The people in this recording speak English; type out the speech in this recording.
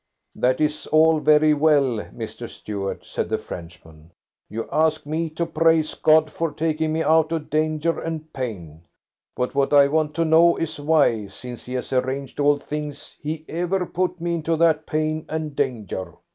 "That is all very well, Mr. Stuart," said the Frenchman; "you ask me to praise God for taking me out of danger and pain, but what I want to know is why, since He has arranged all things, He ever put me into that pain and danger.